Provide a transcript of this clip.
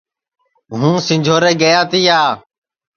ہُوں سِنجھورے گِیا تِیا